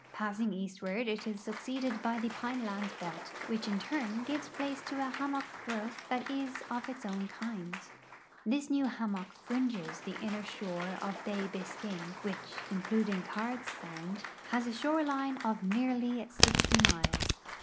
ssing eastward it is succeeded by the })ine land belt, which in turn gives place to a hammock growth that is of its own kind. This new hammock fringes the inner shore of bay Bisca\me, which, including Cards sound, has a shore line of nearly 60 miles.